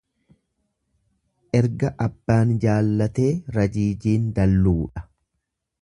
Erga abbaan jaallatee rajiijiin dalluudha.